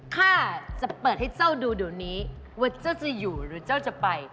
ข้าจะเปิดให้เจ้าดูเดี๋ยวนี้ว่าเจ้าจะอยู่หรือเจ้าจะไป